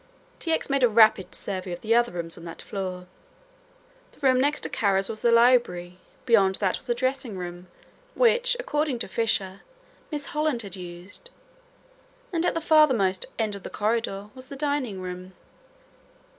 T. X. made a rapid survey of the other rooms on that floor. The room next to Kara's was the library, beyond that was a dressing room which, according to Fisher, Miss Holland had used, and at the farthermost end of the corridor was the dining room.